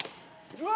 うわ！